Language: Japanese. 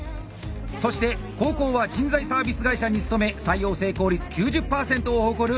そして後攻は人材サービス会社に勤め採用成功率９０％を誇る番井こころ。